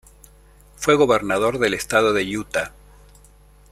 Fue gobernador del Estado de Utah.